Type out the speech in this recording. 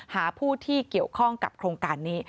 หาผู้ที่เกี่ยวข้องกับโครงการนี้